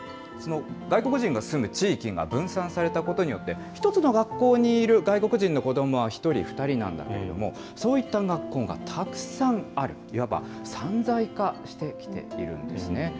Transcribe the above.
外国人が住む地域が分散されたことによって、１つの学校にいる外国人の子どもは１人、２人なんだけれども、そういった学校がたくさんある、いわば散在化してきているんですね。